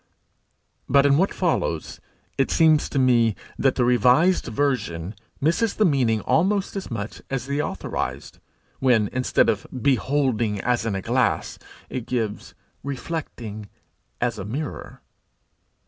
But in what follows, it seems to me that the revised version misses the meaning almost as much as the authorized, when, instead of 'beholding as in a glass,' it gives 'reflecting as a mirror.'